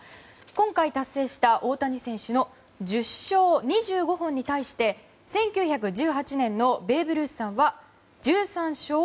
今回達成した大谷選手の１０勝２５本に対して１９１８年のベーブ・ルースさんは１３勝１１本。